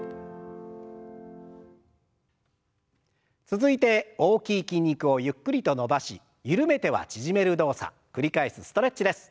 続いて大きい筋肉をゆっくりと伸ばし緩めては縮める動作繰り返すストレッチです。